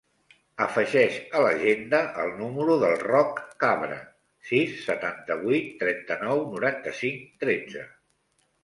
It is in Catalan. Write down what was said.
Afegeix a l'agenda el número del Roc Cabra: sis, setanta-vuit, trenta-nou, noranta-cinc, tretze.